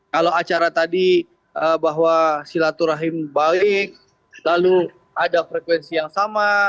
kalau acara tadi bahwa silaturahim baik lalu ada frekuensi yang sama